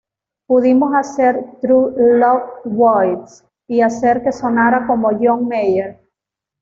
Pudimos hacer 'True Love Waits' y hacer que sonara como John Mayer.